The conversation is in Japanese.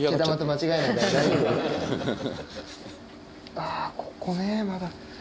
あここねまだ。